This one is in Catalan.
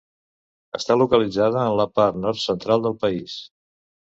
Està localitzada en la part nord-central del país.